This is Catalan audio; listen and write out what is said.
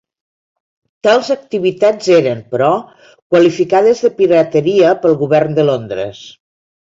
Tals activitats eren, però, qualificades de pirateria pel govern de Londres.